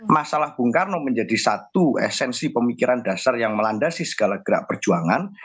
masalah bung karno menjadi satu esensi pemikiran dasar yang melandasi segala gerak perjuangan